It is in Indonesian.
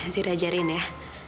zahir aja rin ya